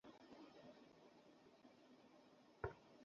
তাই যখন অধিনায়ক হলাম, চাইলাম সবাই যেন আমার মতো আক্রমণাত্মক হয়।